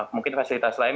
mungkin fasilitas lain